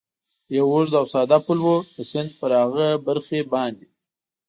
یو اوږد او ساده پل و، د سیند پر هغې برخې باندې.